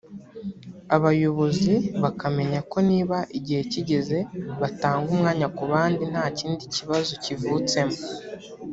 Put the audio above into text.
abayobozi bakamenya ko niba igihe kigeze batanga umwanya ku bandi nta kindi kibazo kivutsemo